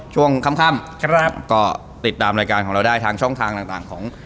ช่วงค่ำครับก็ติดตามรายการของเราได้ทางช่องทางต่างต่างของ